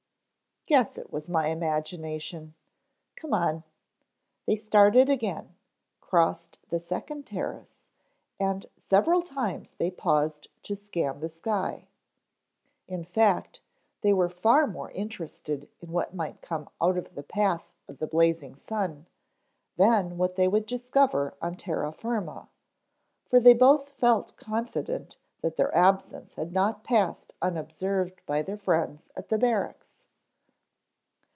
"Guess it was my imagination. Come on." They started again, crossed the second terrace, and several times they paused to scan the sky. In fact, they were far more interested in what might come out of the path of the blazing sun than what they would discover on terra firma, for they both felt confident that their absence had not passed unobserved by their friends at the barracks.